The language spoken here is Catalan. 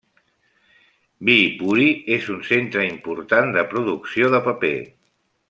Viipuri és un centre important de producció de paper.